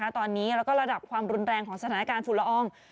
ตอนนี้แล้วก็ระดับความรุนแรงของสถานการณ์ฝุ่นละออง